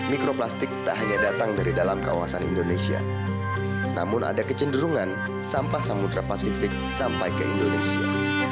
mikroplastik tak hanya datang dari dalam kawasan indonesia namun ada kecenderungan sampah samudera pasifik sampai ke indonesia